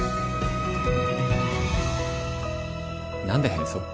何で変装？